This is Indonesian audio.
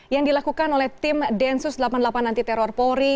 yang dilakukan oleh tim densus delapan puluh delapan anti teror polri